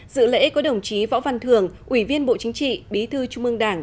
dự lễ có đồng chí võ văn thường ủy viên bộ chính trị bí thư trung ương đảng